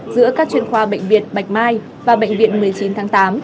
giữa các chuyên khoa bệnh viện bạch mai và bệnh viện một mươi chín tháng tám